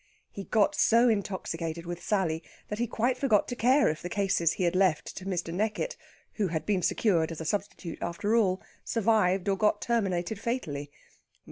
He got so intoxicated with Sally that he quite forgot to care if the cases he had left to Mr. Neckitt (who had been secured as a substitute after all) survived or got terminated fatally.